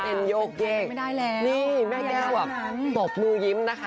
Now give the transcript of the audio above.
เอ็นโยเกกนี่แม่แก้วอะปบมือยิ้มนะคะ